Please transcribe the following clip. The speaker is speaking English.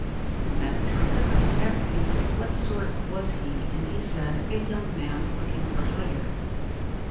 The master of the house asked him what sort was he, and he said: "A young man looking for hire."